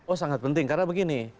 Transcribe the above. oh sangat penting karena begini